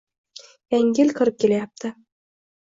Yangi yil kirib kelayapti.